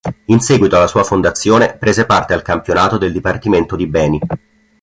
In seguito alla sua fondazione prese parte al campionato del Dipartimento di Beni.